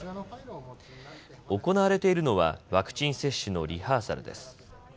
行われているのはワクチン接種のリハーサルです。